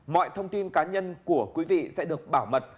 mọi thông tin cá nhân của quý vị sẽ được bảo mật